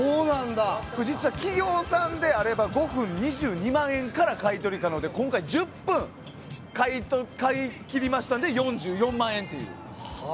企業さんであれば５分、２２万円から買い取り可能で今回、１０分買い切りましたので４４万円という。